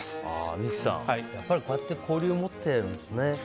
三木さん、こうやって交流を持っているんですね。